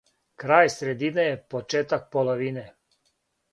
крај средине је почетак половине